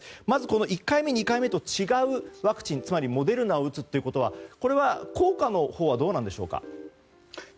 まず１回目、２回目と違うワクチンモデルナを打つということは効果のほうはどうなんでしょうか。